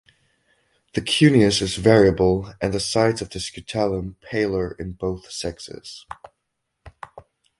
The cuneus is variable and the sides of the scutellum paler in both sexes.